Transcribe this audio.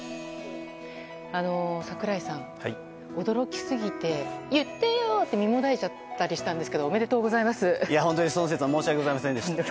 櫻井さん、驚きすぎて言ってよ！って身もだえちゃったりしたんですけど本当にその節は申し訳ございませんでした。